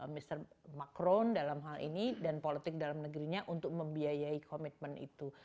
mr macron dalam hal ini dan politik dalam negerinya untuk membiayai komitmen itu